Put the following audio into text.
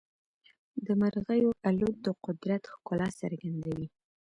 د مرغیو الوت د قدرت ښکلا څرګندوي.